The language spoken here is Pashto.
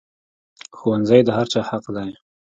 ښوونځی د هر چا حق دی